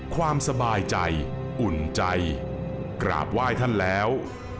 ความสบายใจอุ่นใจกราบไหว้ท่านแล้ว